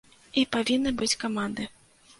І павінны быць каманды.